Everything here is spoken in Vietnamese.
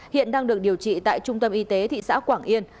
hiện đang được điều trị tại trung tâm y tế thị xã quảng yên